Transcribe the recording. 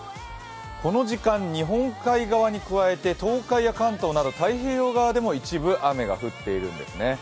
この時間、日本海側に加えて、東海や関東など太平洋側でも一部雨が降っているんですね。